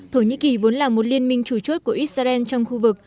thổ nhĩ kỳ vốn là một liên minh chủ nghĩa